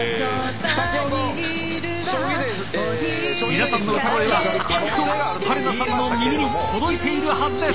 皆さんの歌声はきっとはるなさんの耳に届いているはずです。